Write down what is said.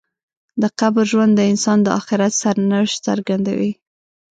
د قبر ژوند د انسان د آخرت سرنوشت څرګندوي.